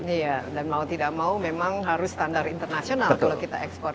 iya dan mau tidak mau memang harus standar internasional kalau kita ekspor